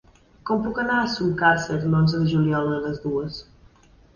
Com puc anar a Sumacàrcer l'onze de juliol a les dues?